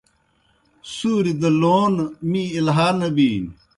سُوریْ دہ لون می اِلہا نہ بِینیْ۔